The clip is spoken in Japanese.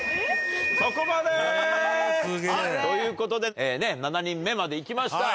そこまで！ということで７人目までいきました。